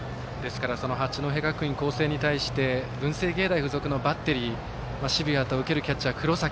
八戸学院光星に対して文星芸大付属のバッテリー、澁谷と受けるキャッチャーの黒崎。